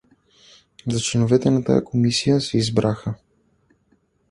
За членове на тая комисия се избраха.